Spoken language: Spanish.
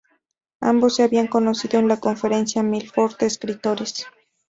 Ambos se habían conocido en la conferencia Milford de escritores.